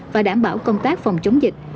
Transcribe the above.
và đảm bảo công tác phòng chống dịch